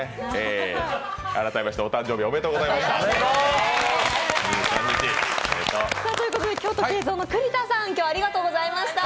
改めまして、お誕生日おめでとうございました。